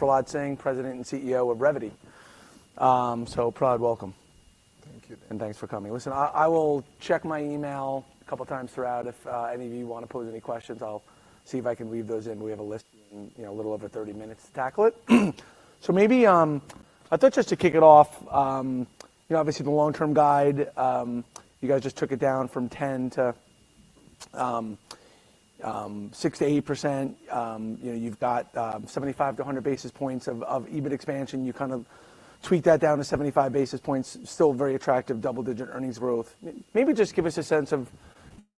Prahlad Singh, President and CEO of Revvity. So, Prahlad, welcome. Thank you. Thanks for coming. Listen, I will check my email a couple times throughout. If any of you want to pose any questions, I'll see if I can weave those in. We have a list and, you know, a little over 30 minutes to tackle it. So maybe, I thought just to kick it off, you know, obviously, the long-term guide, you guys just took it down from 10% to 6%-8%. You know, you've got 75-100 basis points of EBIT expansion. You kind of tweaked that down to 75 basis points. Still very attractive, double-digit earnings growth. Maybe just give us a sense of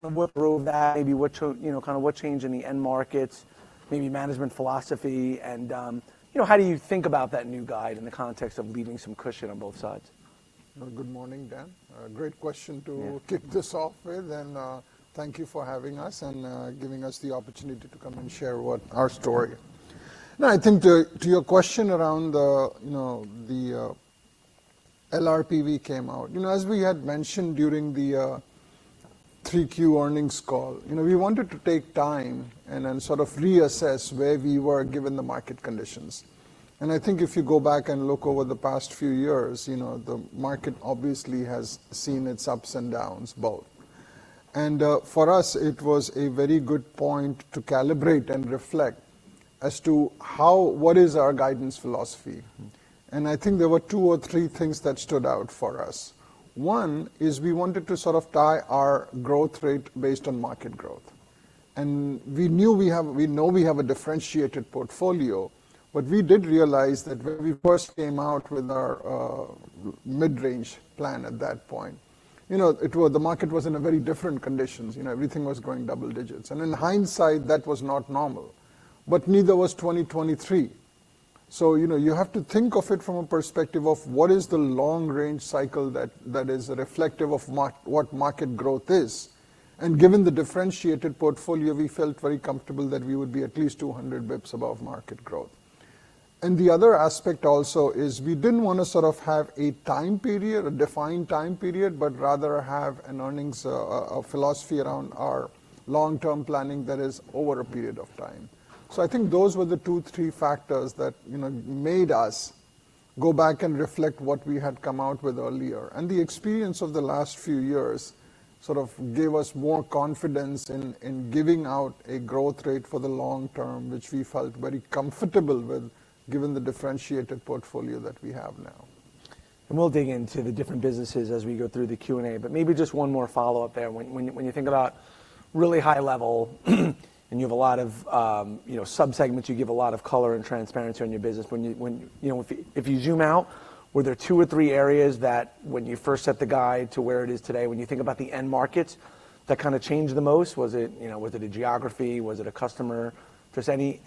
what drove that, maybe what should—you know, kind of what changed in the end markets, maybe management philosophy, and, you know, how do you think about that new guide in the context of leaving some cushion on both sides? Well, good morning, Dan. Great question to- Yeah... kick this off with, and, thank you for having us and giving us the opportunity to come and share what our story. Now, I think to your question around the, you know, the LRP we came out. You know, as we had mentioned during the 3Q earnings call, you know, we wanted to take time and then sort of reassess where we were, given the market conditions. And I think if you go back and look over the past few years, you know, the market obviously has seen its ups and downs, both. And for us, it was a very good point to calibrate and reflect as to how—what is our guidance philosophy. Mm-hmm. And I think there were two or three things that stood out for us. One is, we wanted to sort of tie our growth rate based on market growth. And we knew we know we have a differentiated portfolio, but we did realize that when we first came out with our mid-range plan at that point, you know, it was, the market was in a very different conditions. You know, everything was growing double digits. And in hindsight, that was not normal, but neither was 2023. So, you know, you have to think of it from a perspective of: what is the long-range cycle that is reflective of market, what market growth is? And given the differentiated portfolio, we felt very comfortable that we would be at least 200 basis points above market growth. And the other aspect also is we didn't want to sort of have a time period, a defined time period, but rather have an earnings, a philosophy around our long-term planning that is over a period of time. So I think those were the two, three factors that, you know, made us go back and reflect what we had come out with earlier. And the experience of the last few years sort of gave us more confidence in giving out a growth rate for the long term, which we felt very comfortable with, given the differentiated portfolio that we have now. We'll dig into the different businesses as we go through the Q&A, but maybe just one more follow-up there. When you think about really high level, and you have a lot of, you know, subsegments, you give a lot of color and transparency on your business, when you you know if you zoom out, were there two or three areas that when you first set the guide to where it is today, when you think about the end markets, that kind of changed the most? Was it, you know, was it a geography? Was it a customer? Just any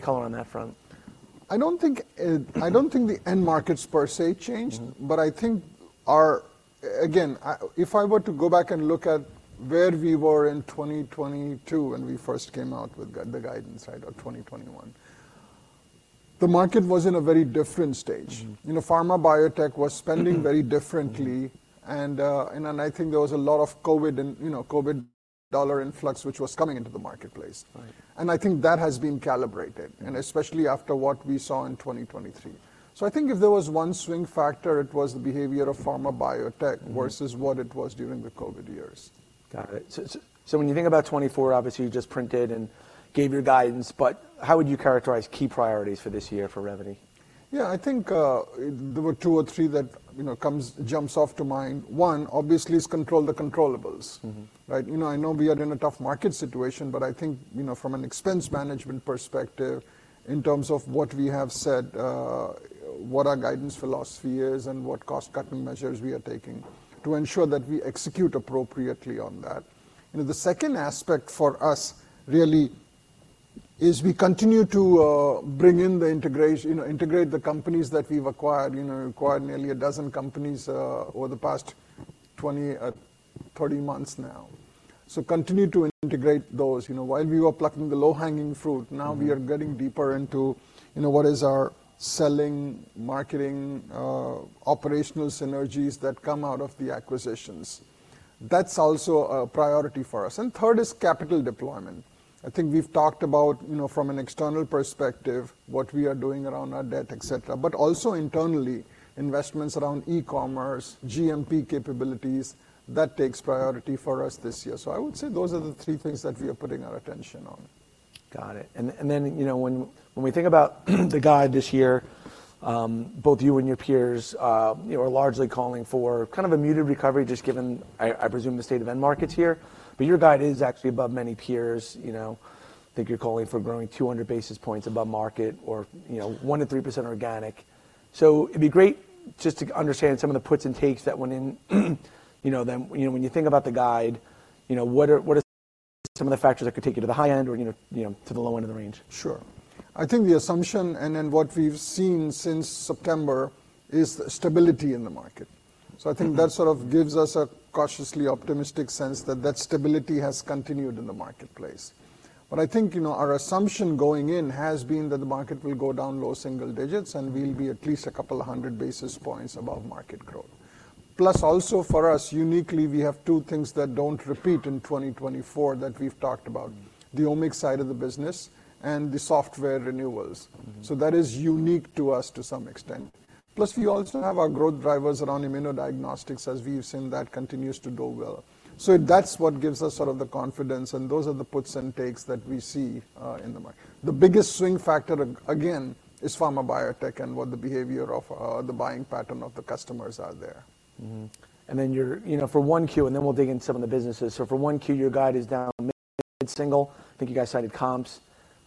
color on that front? I don't think, I don't think the end markets per se changed- Mm-hmm. But I think, again, if I were to go back and look at where we were in 2022 when we first came out with the guidance, right, or 2021, the market was in a very different stage. Mm-hmm. You know, pharma, biotech was spending very differently, and I think there was a lot of COVID and, you know, COVID dollar influx, which was coming into the marketplace. Right. I think that has been calibrated- Mm-hmm and especially after what we saw in 2023. So I think if there was one swing factor, it was the behavior of pharma, biotech- Mm-hmm versus what it was during the COVID years. Got it. So when you think about 2024, obviously, you just printed and gave your guidance, but how would you characterize key priorities for this year for Revvity? Yeah, I think there were two or three that, you know, comes, jumps off to mind. One, obviously, is control the controllables. Mm-hmm. Right? You know, I know we are in a tough market situation, but I think, you know, from an expense management perspective, in terms of what we have said, what our guidance philosophy is, and what cost-cutting measures we are taking to ensure that we execute appropriately on that. You know, the second aspect for us really is we continue to integrate the companies that we've acquired. You know, we acquired nearly a dozen companies over the past 30 months now. So continue to integrate those. You know, while we were plucking the low-hanging fruit- Mm-hmm Now we are getting deeper into, you know, what is our selling, marketing, operational synergies that come out of the acquisitions. That's also a priority for us. And third is capital deployment. I think we've talked about, you know, from an external perspective, what we are doing around our debt, et cetera, but also internally, investments around e-commerce, GMP capabilities, that takes priority for us this year. So I would say those are the three things that we are putting our attention on. Got it. And then, you know, when we think about the guide this year, both you and your peers, you know, are largely calling for kind of a muted recovery, just given, I presume, the state of end markets here, but your guide is actually above many peers. You know, I think you're calling for growing 200 basis points above market or, you know, 1%-3% organic. So it'd be great just to understand some of the puts and takes that went in. You know, then, when you think about the guide, you know, what are some of the factors that could take you to the high end or, you know, to the low end of the range? Sure. I think the assumption, and then what we've seen since September, is stability in the market. Mm-hmm. So I think that sort of gives us a cautiously optimistic sense that that stability has continued in the marketplace. But I think, you know, our assumption going in has been that the market will go down low single digits, and we'll be at least a couple of hundred basis points above market growth. Plus also for us, uniquely, we have two things that don't repeat in 2024 that we've talked about: the Omics side of the business and the software renewals. Mm-hmm. So that is unique to us to some extent. Plus, we also have our growth drivers around Immunodiagnostics. As we've seen, that continues to go well. So that's what gives us sort of the confidence, and those are the puts and takes that we see in the market. The biggest swing factor again is pharma biotech and what the behavior of the buying pattern of the customers out there. Mm-hmm. And then you're, you know, for 1Q, and then we'll dig into some of the businesses. So for 1Q, your guide is down mid-single. I think you guys cited comps.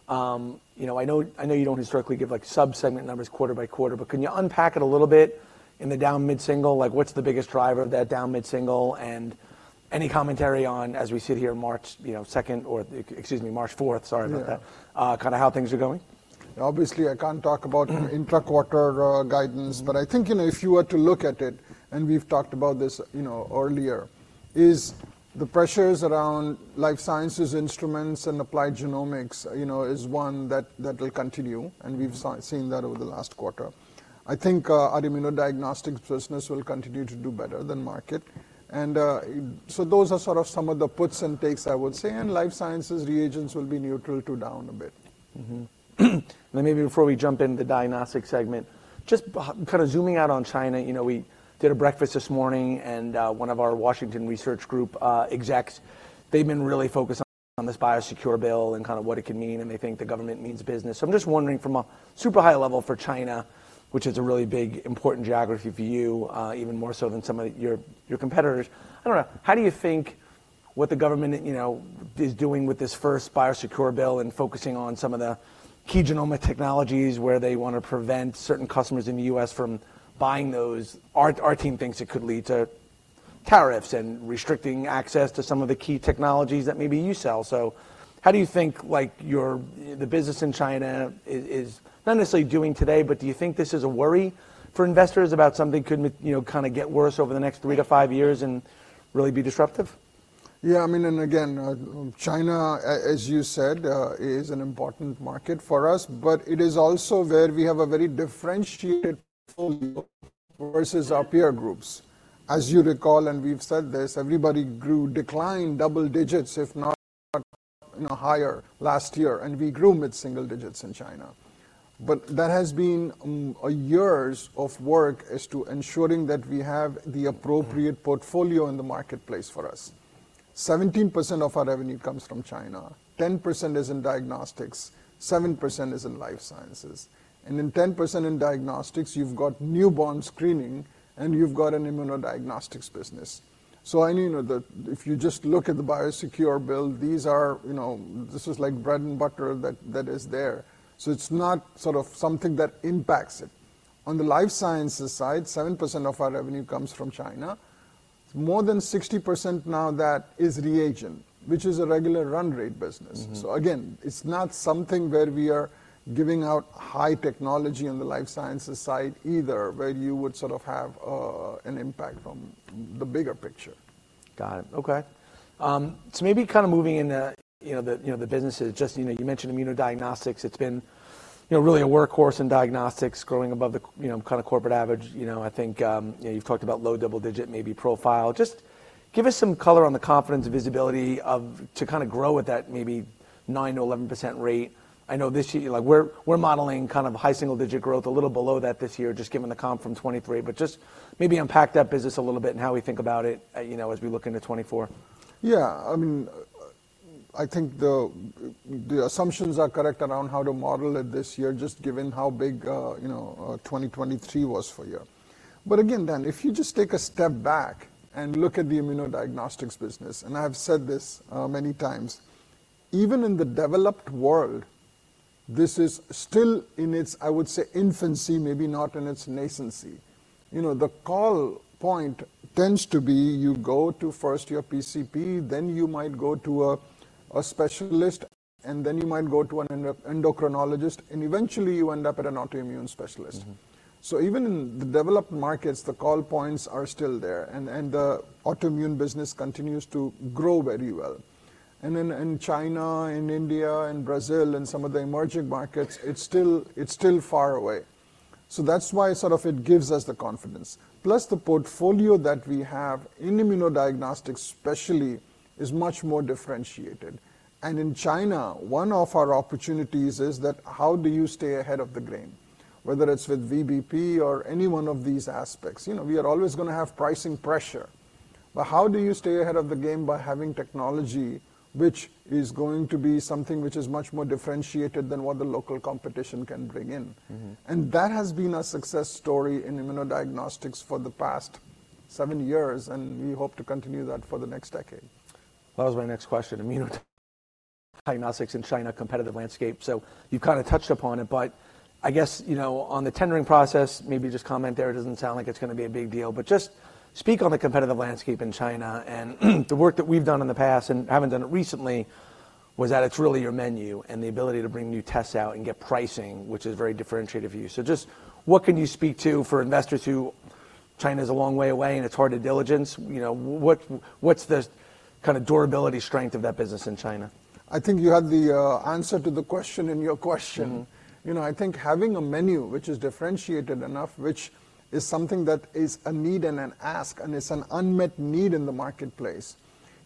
You know, I know you don't historically give, like, sub-segment numbers quarter by quarter, but can you unpack it a little bit in the down mid-single? Like, what's the biggest driver of that down mid-single, and any commentary on, as we sit here, March, you know, second or—excuse me, March fourth—sorry about that— Yeah... kinda how things are going? Obviously, I can't talk about- Mm... intra-quarter guidance, but I think, you know, if you were to look at it, and we've talked about this, you know, earlier, is the pressures around life sciences instruments and Applied Genomics, you know, is one that, that will continue, and we've seen that over the last quarter. I think, our Immunodiagnostics business will continue to do better than market. And, so those are sort of some of the puts and takes, I would say, and life sciences reagents will be neutral to down a bit. Mm-hmm. Then maybe before we jump in the diagnostics segment, just kind of zooming out on China, you know, we did a breakfast this morning and, one of our Washington Research Group execs, they've been really focused on this Biosecure bill and kind of what it could mean, and they think the government means business. So I'm just wondering, from a super high level for China, which is a really big, important geography for you, even more so than some of your competitors, I don't know, how do you think what the government, you know, is doing with this first Biosecure bill and focusing on some of the key genomic technologies where they want to prevent certain customers in the U.S. from buying those? Our team thinks it could lead to tariffs and restricting access to some of the key technologies that maybe you sell. So how do you think, like, the business in China is not necessarily doing today, but do you think this is a worry for investors about something could, you know, kind of get worse over the next 3-5 years and really be disruptive? Yeah, I mean, and again, China, as you said, is an important market for us, but it is also where we have a very differentiated portfolio versus our peer groups. As you recall, and we've said this, everybody grew, declined double digits, if not, you know, higher last year, and we grew mid-single digits in China. But that has been years of work as to ensuring that we have the appropriate- Mm... portfolio in the marketplace for us. 17% of our revenue comes from China, 10% is in diagnostics, 7% is in life sciences, and in 10% in diagnostics, you've got Newborn Screening, and you've got an Immunodiagnostics business. So I mean, that if you just look at the Biosecure bill, these are, you know, this is like bread and butter that, that is there. So it's not sort of something that impacts it. On the life sciences side, 7% of our revenue comes from China. More than 60% now that is reagent, which is a regular run rate business. Mm-hmm. So again, it's not something where we are giving out high technology on the life sciences side either, where you would sort of have an impact from the bigger picture. Got it. Okay. So maybe kind of moving into, you know, the, you know, the businesses, just, you know, you mentioned Immunodiagnostics. It's been, you know, really a workhorse in diagnostics, growing above the, you know, kind of corporate average. You know, I think, you know, you've talked about low double-digit, maybe profile. Just give us some color on the confidence and visibility of to kind of grow at that maybe 9%-11% rate. I know this year, like we're, we're modeling kind of high single-digit growth, a little below that this year, just given the comp from 2023. But just maybe unpack that business a little bit and how we think about it, you know, as we look into 2024. Yeah. I mean, I think the assumptions are correct around how to model it this year, just given how big, you know, 2023 was for you. But again, Dan, if you just take a step back and look at the Immunodiagnostics business, and I have said this many times, even in the developed world, this is still in its, I would say, infancy, maybe not in its nascency. You know, the call point tends to be you go to first your PCP, then you might go to a specialist, and then you might go to an endocrinologist, and eventually, you end up at an autoimmune specialist. Mm-hmm. So even in the developed markets, the call points are still there, and the autoimmune business continues to grow very well. Then in China, in India, in Brazil, and some of the emerging markets, it's still far away. So that's why sort of it gives us the confidence. Plus, the portfolio that we have in Immunodiagnostics, especially, is much more differentiated. And in China, one of our opportunities is that, how do you stay ahead of the game? Whether it's with VBP or any one of these aspects, you know, we are always gonna have pricing pressure, but how do you stay ahead of the game by having technology which is going to be something which is much more differentiated than what the local competition can bring in? Mm-hmm. That has been our success story in Immunodiagnostics for the past seven years, and we hope to continue that for the next decade. That was my next question, Immunodiagnostics in China, competitive landscape. So you've kind of touched upon it, but I guess, you know, on the tendering process, maybe just comment there. It doesn't sound like it's gonna be a big deal, but just speak on the competitive landscape in China and the work that we've done in the past, and haven't done it recently, was that it's really your menu and the ability to bring new tests out and get pricing, which is very differentiated view. So just what can you speak to for investors who China is a long way away, and it's hard to diligence? You know, what, what's the kind of durability strength of that business in China?... I think you have the answer to the question in your question. Mm-hmm. You know, I think having a menu which is differentiated enough, which is something that is a need and an ask, and it's an unmet need in the marketplace.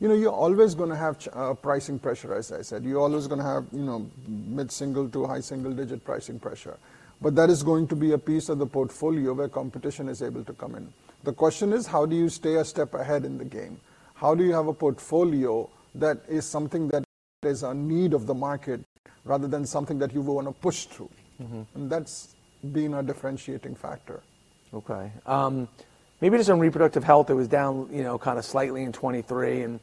You know, you're always going to have pricing pressure, as I said. You're always going to have, you know, mid-single to high single-digit pricing pressure, but that is going to be a piece of the portfolio where competition is able to come in. The question is: How do you stay a step ahead in the game? How do you have a portfolio that is something that is a need of the market rather than something that you want to push through? Mm-hmm. That's been our differentiating factor. Okay. Maybe just on Reproductive Health, it was down, you know, kind of slightly in 2023, and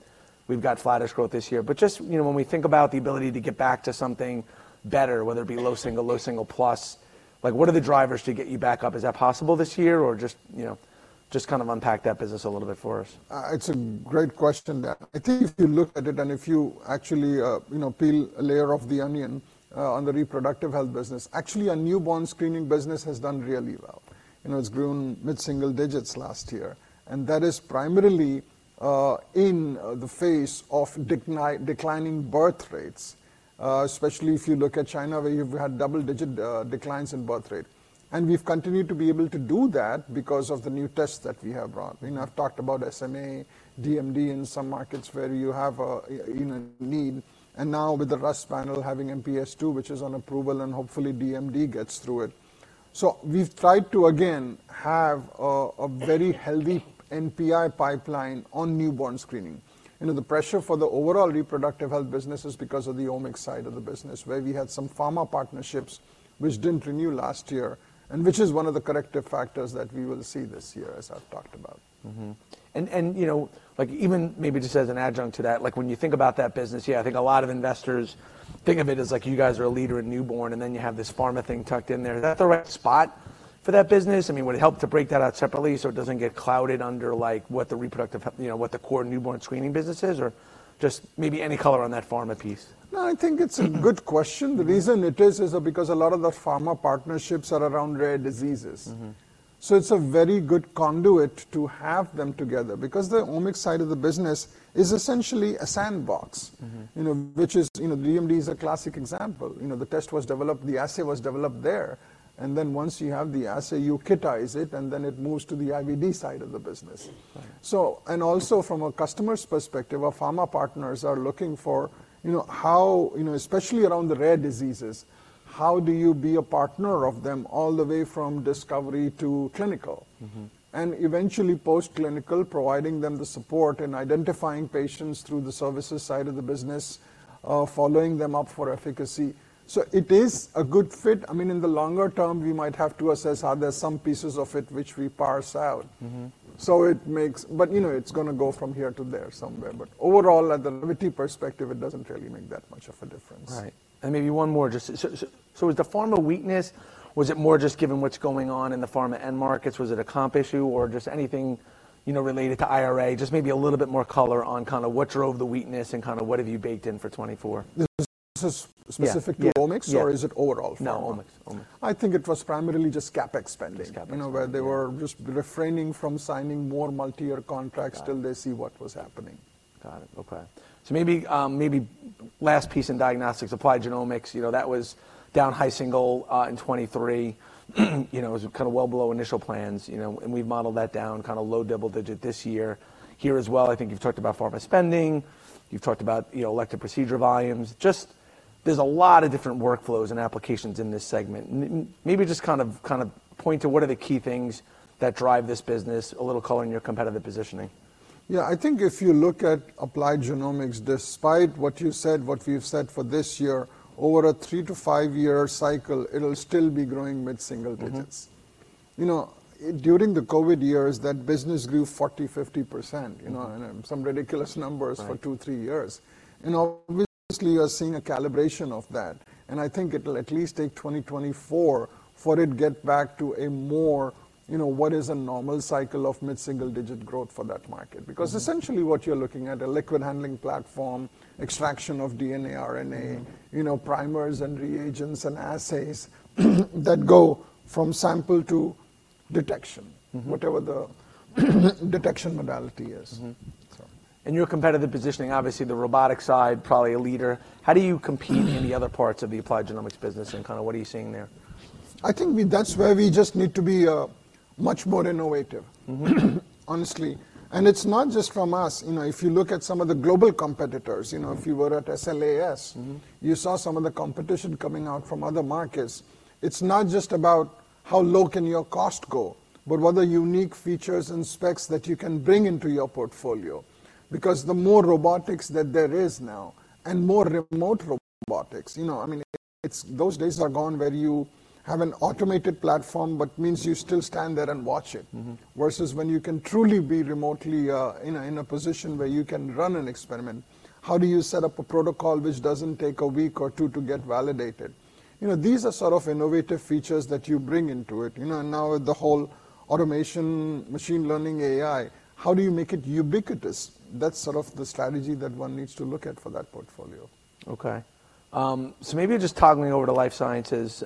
we've got flatter growth this year. But just, you know, when we think about the ability to get back to something better, whether it be low single, low single plus, like, what are the drivers to get you back up? Is that possible this year, or just... You know, just kind of unpack that business a little bit for us. It's a great question there. I think if you look at it and if you actually, you know, peel a layer of the onion, on the Reproductive Health business, actually, our newborn screening business has done really well. You know, it's grown mid-single digits last year, and that is primarily, in the face of declining birth rates. Especially if you look at China, where you've had double-digit declines in birthrate. And we've continued to be able to do that because of the new tests that we have brought in. I've talked about SMA, DMD, in some markets where you have a, you know, need, and now with the RUSP having MPS II, which is on approval, and hopefully DMD gets through it. So we've tried to, again, have a very healthy NPI pipeline on newborn screening. You know, the pressure for the overall Reproductive Health business is because of the omics side of the business, where we had some pharma partnerships which didn't renew last year, and which is one of the corrective factors that we will see this year, as I've talked about. Mm-hmm. And, and you know, like, even maybe just as an adjunct to that, like, when you think about that business, yeah, I think a lot of investors think of it as like, you guys are a leader in newborn, and then you have this pharma thing tucked in there. Is that the right spot for that business? I mean, would it help to break that out separately so it doesn't get clouded under, like, what the Reproductive Health, you know, what the core newborn screening business is, or just maybe any color on that pharma piece? No, I think it's a good question. Mm-hmm. The reason it is, is because a lot of the pharma partnerships are around rare diseases. Mm-hmm. It's a very good conduit to have them together because the Omics side of the business is essentially a sandbox. Mm-hmm. You know, which is, you know, DMD is a classic example. You know, the test was developed, the assay was developed there, and then once you have the assay, you kitize it, and then it moves to the IVD side of the business. Right. Also from a customer's perspective, our pharma partners are looking for, you know, how... You know, especially around the rare diseases, how do you be a partner of them all the way from discovery to clinical? Mm-hmm. Eventually post-clinical, providing them the support and identifying patients through the services side of the business, following them up for efficacy. It is a good fit. I mean, in the longer term, we might have to assess, are there some pieces of it which we parse out? Mm-hmm. So it makes. But, you know, it's gonna go from here to there somewhere. But overall, at the liberty perspective, it doesn't really make that much of a difference. Right. And maybe one more just... So, is the pharma weakness more just given what's going on in the pharma end markets? Was it a comp issue or just anything, you know, related to IRA? Just maybe a little bit more color on kind of what drove the weakness and kind of what have you baked in for 2024. This is specific to Omics- Yeah, yeah or is it overall? No, Omics. Omics. I think it was primarily just CapEx spending. Just CapEx spending. You know, where they were just refraining from signing more multi-year contracts- Got it. till they see what was happening. Got it. Okay. So maybe, maybe last piece in diagnostics, Applied Genomics, you know, that was down high single in 2023. You know, it was kind of well below initial plans, you know, and we've modelled that down kind of low double digit this year. Here as well, I think you've talked about pharma spending, you've talked about, you know, elective procedure volumes. Just, there's a lot of different workflows and applications in this segment. Maybe just kind of, kind of point to what are the key things that drive this business, a little color on your competitive positioning. Yeah, I think if you look at Applied Genomics, despite what you've said, what you've said for this year, over a 3- to 5-year cycle, it'll still be growing mid-single digits. Mm-hmm. You know, during the COVID years, that business grew 40%-50%, you know- Mm. and some ridiculous numbers Right... for 2-3 years. You know, obviously, you are seeing a calibration of that, and I think it'll at least take 2024 for it get back to a more, you know, what is a normal cycle of mid-single-digit growth for that market. Mm. Because essentially what you're looking at, a liquid handling platform, extraction of DNA, RNA. Mm... you know, primers and reagents and assays that go from sample to detection- Mm-hmm whatever the detection modality is. Mm-hmm. So. Your competitive positioning, obviously the robotic side, probably a leader. How do you compete in the other parts of the Applied Genomics business, and kind of what are you seeing there? I think we, that's where we just need to be much more innovative, honestly. It's not just from us. You know, if you look at some of the global competitors, you know, if you were at SLAS- Mm-hmm... you saw some of the competition coming out from other markets. It's not just about how low can your cost go, but what are the unique features and specs that you can bring into your portfolio. Because the more robotics that there is now, and more remote robotics, you know, I mean, it's those days are gone where you have an automated platform, but means you still stand there and watch it. Mm-hmm. Versus when you can truly be remotely in a position where you can run an experiment. How do you set up a protocol which doesn't take a week or two to get validated? You know, these are sort of innovative features that you bring into it. You know, now the whole automation, machine learning, AI, how do you make it ubiquitous? That's sort of the strategy that one needs to look at for that portfolio. Okay. So maybe just toggling over to life sciences.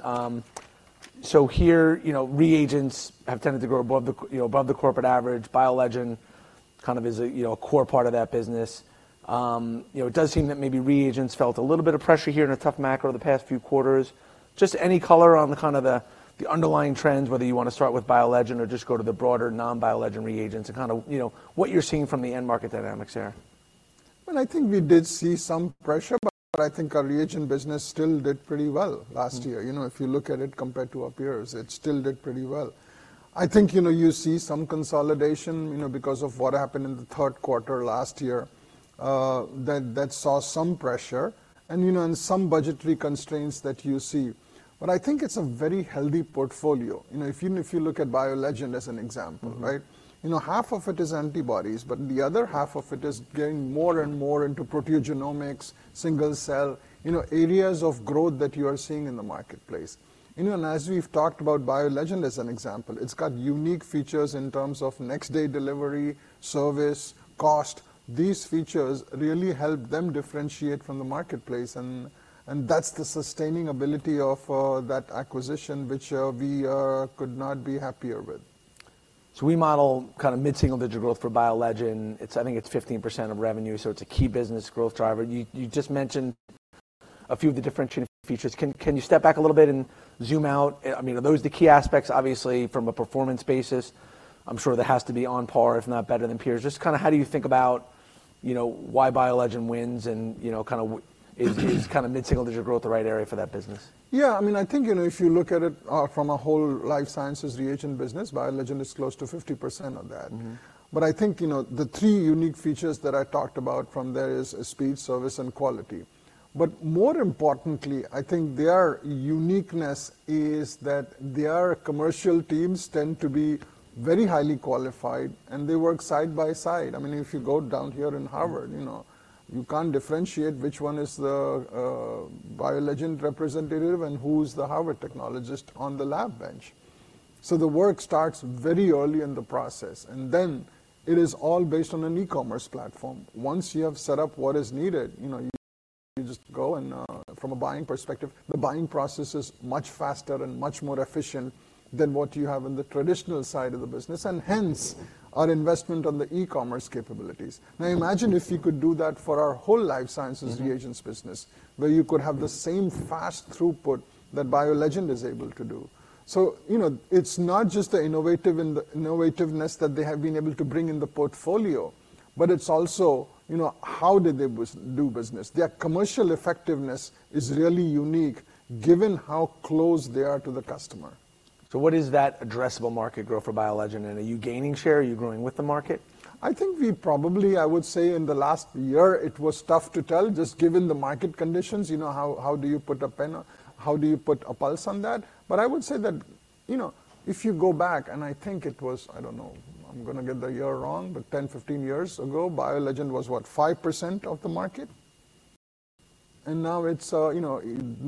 So here, you know, reagents have tended to grow above the corporate average. BioLegend kind of is a, you know, a core part of that business. You know, it does seem that maybe reagents felt a little bit of pressure here in a tough macro the past few quarters. Just any color on the kind of underlying trends, whether you want to start with BioLegend or just go to the broader non-BioLegend reagents and kind of, you know, what you're seeing from the end market dynamics there? Well, I think we did see some pressure, but I think our reagent business still did pretty well last year. Mm. You know, if you look at it compared to our peers, it still did pretty well. I think, you know, you see some consolidation, you know, because of what happened in the third quarter last year, that saw some pressure and, you know, and some budgetary constraints that you see. But I think it's a very healthy portfolio. You know, if you, if you look at BioLegend as an example, right? Mm. You know, half of it is antibodies, but the other half of it is getting more and more into proteogenomics, single cell, you know, areas of growth that you are seeing in the marketplace. You know, and as we've talked about BioLegend as an example, it's got unique features in terms of next-day delivery, service, cost. These features really help them differentiate from the marketplace, and that's the sustaining ability of that acquisition, which we could not be happier with. So we model kind of mid-single-digit growth for BioLegend. It's. I think it's 15% of revenue, so it's a key business growth driver. You just mentioned a few of the differentiating features. Can you step back a little bit and zoom out? I mean, are those the key aspects, obviously from a performance basis? I'm sure that has to be on par, if not better than peers. Just kinda how do you think about, you know, why BioLegend wins and, you know, kind of, is kind of mid-single-digit growth the right area for that business? Yeah, I mean, I think, you know, if you look at it from a whole life sciences reagent business, BioLegend is close to 50% of that. Mm-hmm. But I think, you know, the three unique features that I talked about from there is speed, service, and quality. But more importantly, I think their uniqueness is that their commercial teams tend to be very highly qualified, and they work side by side. I mean, if you go down here in Harvard, you know, you can't differentiate which one is the BioLegend representative and who's the Harvard technologist on the lab bench. So the work starts very early in the process, and then it is all based on an e-commerce platform. Once you have set up what is needed, you know, you just go, and from a buying perspective, the buying process is much faster and much more efficient than what you have in the traditional side of the business, and hence, our investment on the e-commerce capabilities. Now, imagine if you could do that for our whole life sciences- Mm-hmm... reagents business, where you could have the same fast throughput that BioLegend is able to do. So, you know, it's not just the innovativeness that they have been able to bring in the portfolio, but it's also, you know, how did they do business? Their commercial effectiveness is really unique, given how close they are to the customer. What is that addressable market growth for BioLegend, and are you gaining share? Are you growing with the market? I think we probably... I would say in the last year it was tough to tell, just given the market conditions. You know, How do you put a pulse on that? But I would say that, you know, if you go back, and I think it was, I don't know, I'm gonna get the year wrong, but 10, 15 years ago, BioLegend was, what, 5% of the market? And now it's, you know,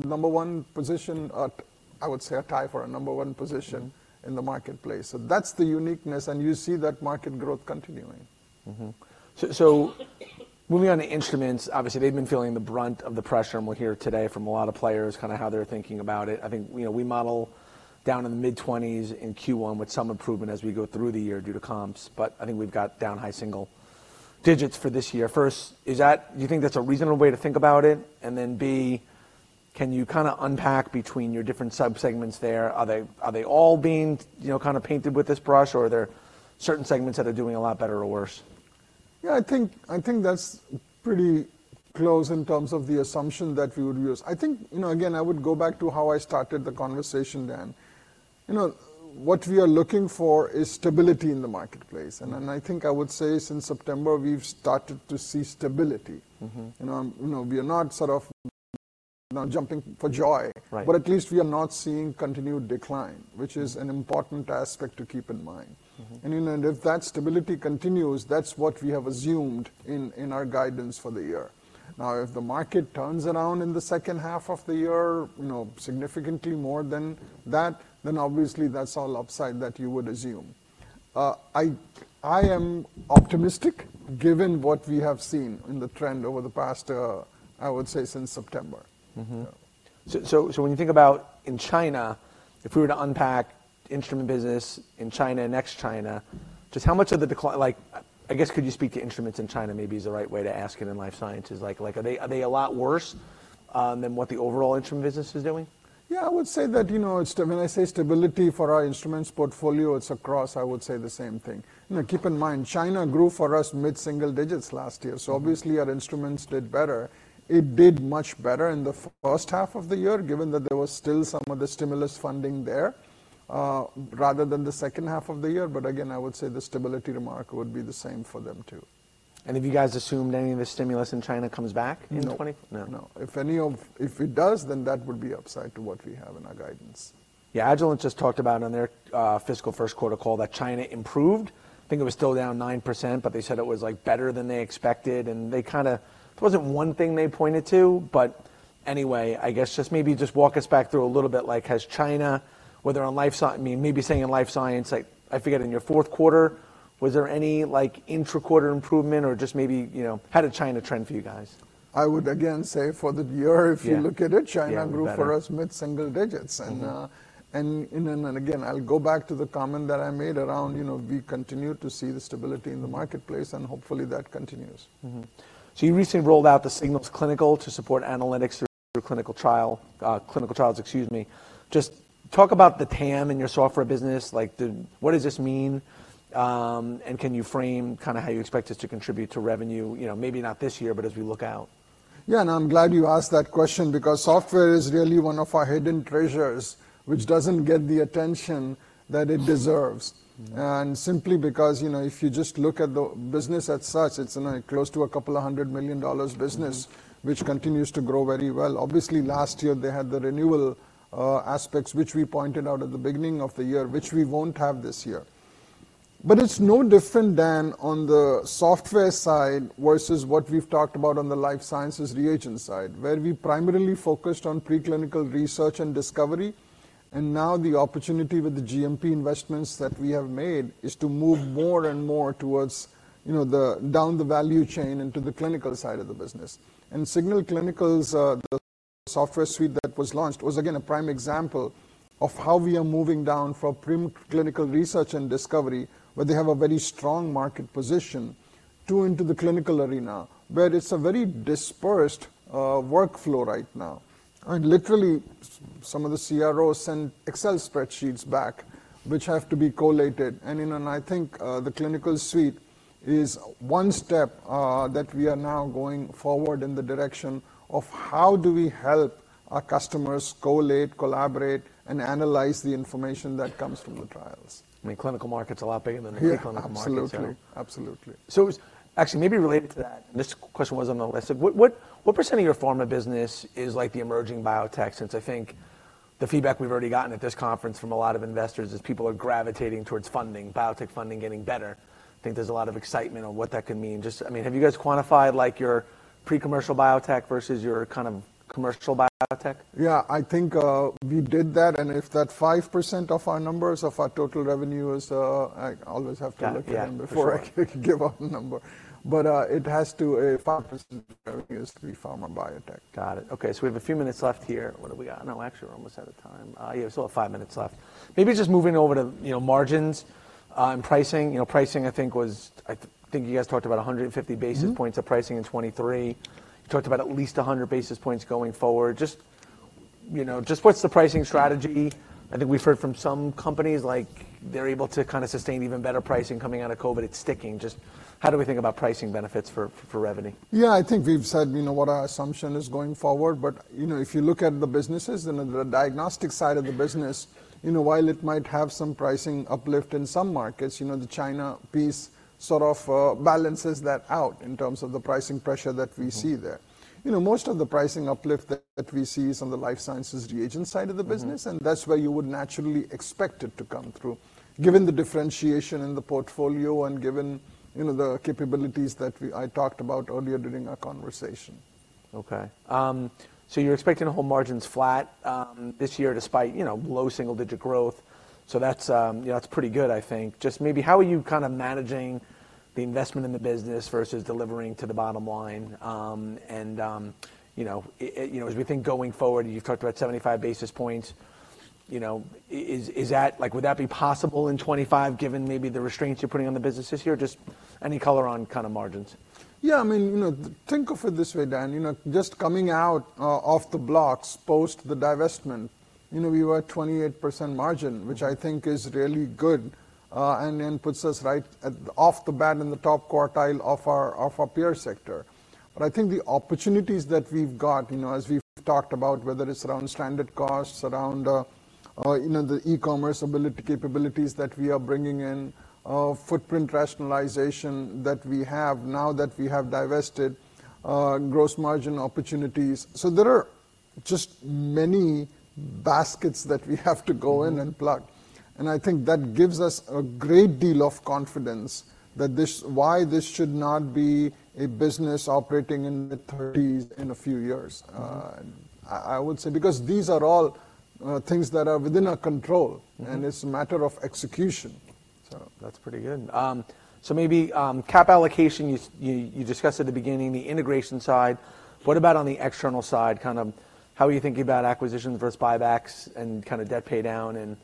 number one position. At, I would say, a tie for a number one position in the marketplace. So that's the uniqueness, and you see that market growth continuing. Mm-hmm. So, so moving on to instruments, obviously, they've been feeling the brunt of the pressure, and we're here today from a lot of players, kind of how they're thinking about it. I think, you know, we model down in the mid-20s in Q1 with some improvement as we go through the year due to comps, but I think we've got down high single digits for this year. First, is that a reasonable way to think about it? Do you think that's a reasonable way to think about it? And then, B, can you kinda unpack between your different subsegments there? Are they, are they all being, you know, kind of painted with this brush, or are there certain segments that are doing a lot better or worse? Yeah, I think, I think that's pretty close in terms of the assumption that we would use. I think, you know, again, I would go back to how I started the conversation, Dan. You know, what we are looking for is stability in the marketplace, and, and I think I would say since September, we've started to see stability. Mm-hmm. You know, you know, we are not sort of not jumping for joy- Right... but at least we are not seeing continued decline, which is an important aspect to keep in mind. Mm-hmm. You know, and if that stability continues, that's what we have assumed in, in our guidance for the year. Now, if the market turns around in the second half of the year, you know, significantly more than that, then obviously that's all upside that you would assume. I am optimistic, given what we have seen in the trend over the past, I would say, since September. Mm-hmm. So when you think about in China, if we were to unpack the instrument business in China and ex-China, just how much of the decline. Like, I guess could you speak to instruments in China, maybe is the right way to ask it in life sciences? Like, are they a lot worse than what the overall instrument business is doing? Yeah, I would say that, you know, it's. When I say stability for our instruments portfolio, it's across, I would say, the same thing. You know, keep in mind, China grew for us mid-single digits last year. Mm. Obviously, our instruments did better. It did much better in the first half of the year, given that there was still some of the stimulus funding there, rather than the second half of the year. But again, I would say the stability remark would be the same for them, too. Have you guys assumed any of the stimulus in China comes back in 2020? No. No. No. If any of... If it does, then that would be upside to what we have in our guidance. Yeah, Agilent just talked about on their fiscal first quarter call that China improved. I think it was still down 9%, but they said it was, like, better than they expected, and they kinda... There wasn't one thing they pointed to. But anyway, I guess just maybe walk us back through a little bit, like, has China, whether on life sci-- I mean, maybe saying in life science, like, I forget, in your fourth quarter... Was there any, like, intra-quarter improvement or just maybe, you know, how did China trend for you guys? I would again say for the year- Yeah... if you look at it, China- Yeah, better... grew for us mid-single digits. Mm-hmm. I'll go back to the comment that I made around, you know, we continue to see the stability in the marketplace, and hopefully that continues. Mm-hmm. So you recently rolled out the Signals Clinical to support analytics through clinical trials, excuse me. Just talk about the TAM in your software business, like, what does this mean? And can you frame kind of how you expect it to contribute to Revvity, you know, maybe not this year, but as we look out? Yeah, and I'm glad you asked that question because software is really one of our hidden treasures- Mm... which doesn't get the attention that it deserves. Mm. Simply because, you know, if you just look at the business as such, it's close to $200 million business. Mm... which continues to grow very well. Obviously, last year they had the renewal aspects, which we pointed out at the beginning of the year, which we won't have this year. But it's no different than on the software side versus what we've talked about on the life sciences reagent side, where we primarily focused on pre-clinical research and discovery. And now the opportunity with the GMP investments that we have made is to move more and more towards, you know, the, down the value chain into the clinical side of the business. And Signals Clinical's the software suite that was launched was, again, a prime example of how we are moving down from pre-clinical research and discovery, where they have a very strong market position, to into the clinical arena, where it's a very dispersed workflow right now. And literally, some of the CROs send Excel spreadsheets back, which have to be collated. And, you know, and I think, the clinical suite is one step, that we are now going forward in the direction of how do we help our customers collate, collaborate, and analyze the information that comes from the trials? I mean, clinical market's a lot bigger than the economic market. Yeah. Absolutely, absolutely. So actually, maybe related to that, and this question was on the list, so what, what, what percent of your pharma business is like the emerging biotech? Since I think the feedback we've already gotten at this conference from a lot of investors is people are gravitating towards funding, biotech funding getting better. I think there's a lot of excitement on what that could mean. Just, I mean, have you guys quantified, like, your pre-commercial biotech versus your kind of commercial biotech? Yeah, I think we did that, and if that 5% of our numbers, of our total revenue is, I always have to- Yeah, yeah... look at them before I give out a number. But, it has to a 5% is to be pharma biotech. Got it. Okay, so we have a few minutes left here. What have we got? No, actually, we're almost out of time. Yeah, we still have five minutes left. Maybe just moving over to, you know, margins, and pricing. You know, pricing, I think, was, I think you guys talked about 150 basis- Mm... points of pricing in 2023. You talked about at least 100 basis points going forward. Just, you know, just what's the pricing strategy? I think we've heard from some companies, like, they're able to kind of sustain even better pricing coming out of COVID. It's sticking. Just how do we think about pricing benefits for Revvity? Yeah, I think we've said, you know, what our assumption is going forward, but, you know, if you look at the businesses and the diagnostic side of the business, you know, while it might have some pricing uplift in some markets, you know, the China piece sort of balances that out in terms of the pricing pressure that we see there. Mm. You know, most of the pricing uplift that we see is on the life sciences reagent side of the business. Mm... and that's where you would naturally expect it to come through, given the differentiation in the portfolio and given, you know, the capabilities that we-- I talked about earlier during our conversation. Okay. So you're expecting to hold margins flat this year, despite, you know, low single-digit growth. So that's, you know, that's pretty good, I think. Just maybe how are you kind of managing the investment in the business versus delivering to the bottom line? And, you know, as we think going forward, you've talked about 75 basis points, you know, is that, like, would that be possible in 2025, given maybe the restraints you're putting on the business this year? Just any color on kind of margins. Yeah, I mean, you know, think of it this way, Dan. You know, just coming out off the blocks post the divestment, you know, we were at 28% margin, which I think is really good, and then puts us right off the bat in the top quartile of our peer sector. But I think the opportunities that we've got, you know, as we've talked about, whether it's around standard costs, around you know, the e-commerce ability, capabilities that we are bringing in, footprint rationalization that we have now that we have divested, gross margin opportunities. So there are just many baskets that we have to go in and plug. Mm. I think that gives us a great deal of confidence that this, why this should not be a business operating in the thirties in a few years. Mm. I would say because these are all things that are within our control- Mm... and it's a matter of execution. So that's pretty good. So maybe, cap allocation, you discussed at the beginning, the integration side. What about on the external side? Kind of how are you thinking about acquisitions versus buybacks and kind of debt paydown and,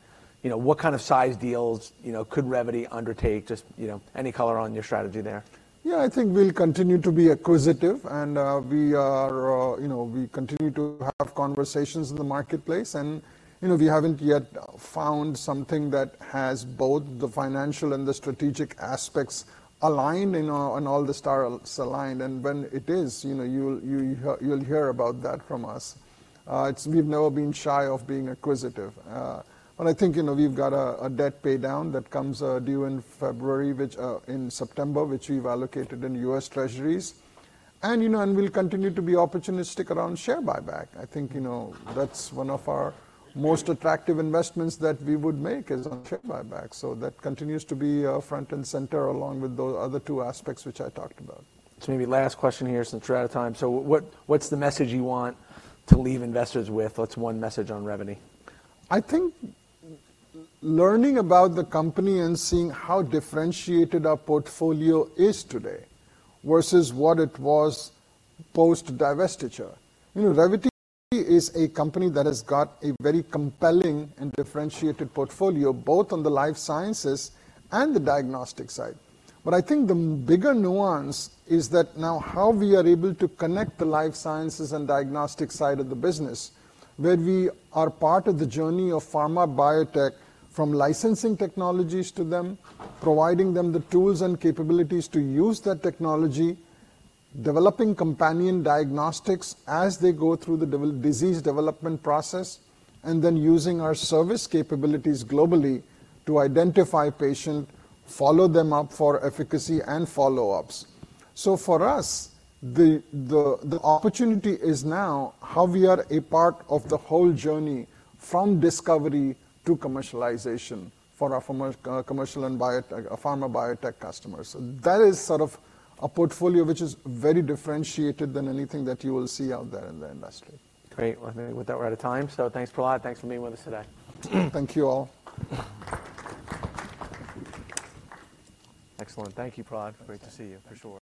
you know, what kind of size deals, you know, could Revvity undertake? Just, you know, any color on your strategy there. Yeah, I think we'll continue to be acquisitive, and we are, you know, we continue to have conversations in the marketplace, and, you know, we haven't yet found something that has both the financial and the strategic aspects aligned, you know, and all the stars aligned. And when it is, you know, you'll hear about that from us. It's. We've never been shy of being acquisitive. But I think, you know, we've got a debt paydown that comes due in February, which in September, which we've allocated in U.S. Treasuries. And, you know, we'll continue to be opportunistic around share buyback. I think, you know, that's one of our most attractive investments that we would make is on share buyback. So that continues to be front and center, along with the other two aspects which I talked about. Maybe last question here, since we're out of time. So what, what's the message you want to leave investors with? What's one message on Revvity? I think learning about the company and seeing how differentiated our portfolio is today versus what it was post-divestiture. You know, Revvity is a company that has got a very compelling and differentiated portfolio, both on the life sciences and the diagnostic side. But I think the bigger nuance is that now how we are able to connect the life sciences and diagnostic side of the business, where we are part of the journey of pharma biotech, from licensing technologies to them, providing them the tools and capabilities to use that technology, developing companion diagnostics as they go through the disease development process, and then using our service capabilities globally to identify patient, follow them up for efficacy, and follow-ups. So for us, the opportunity is now how we are a part of the whole journey, from discovery to commercialization, for our pharma, commercial and biotech, pharma biotech customers. That is sort of a portfolio which is very differentiated than anything that you will see out there in the industry. Great. Well, I think with that, we're out of time, so thanks, Prahlad. Thanks for being with us today. Thank you, all. Excellent. Thank you, Prahlad. Great to see you for sure.